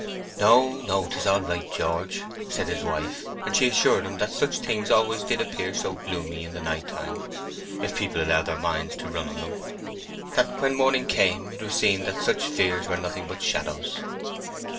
"No, no. 'Tis all right, George," said his wife; and she assured him that such things always did appear so gloomy in the night time, if people allowed their minds to run on them; that when morning came it was seen that such fears were nothing but shadows.